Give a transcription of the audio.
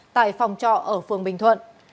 tại phòng trọ ở phường bình thuận